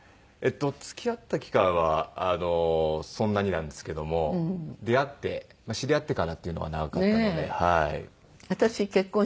えっと付き合った期間はそんなになんですけども出会って知り合ってからっていうのは長かったので。